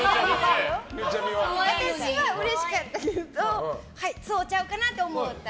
私はうれしかったけどそうちゃうかなと思った。